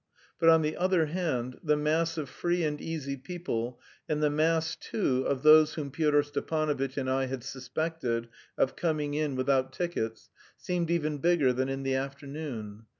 But, on the other hand, the mass of free and easy people and the mass too of those whom Pyotr Stepanovitch and I had suspected of coming in without tickets, seemed even bigger than in the afternoon.